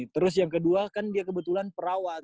terus yang kedua kan dia kebetulan perawat